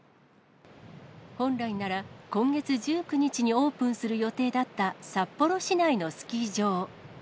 本来なら今月１９日にオープンする予定だった札幌市内のスキー場。